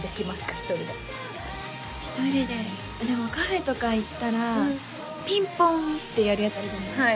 一人で一人ででもカフェとか行ったらピンポンってやるやつあるじゃないですか